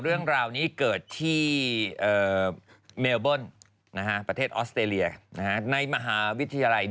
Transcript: เรื่องราวนี้เกิดที่